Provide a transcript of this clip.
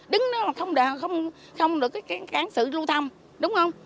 đứng đó mà không được cái kháng sự lưu thâm đúng không